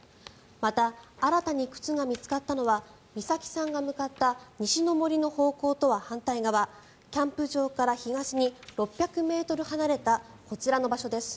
また、新たに靴が見つかったのは美咲さんが向かった西の森の方向とは反対側キャンプ場から東に６００ｍ離れたこちらの場所です。